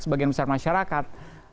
sebagian besar masyarakat